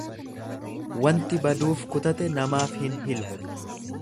Wanti baduuf kutate namaaf hin hilu.